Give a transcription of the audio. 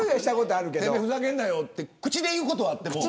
おまえふざけんなよって口で言うことはあっても。